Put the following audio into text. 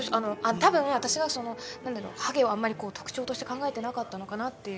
多分私がその何だろうハゲをあんまり特徴として考えてなかったのかなっていう。